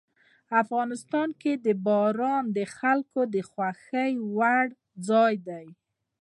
افغانستان کې باران د خلکو د خوښې وړ ځای دی.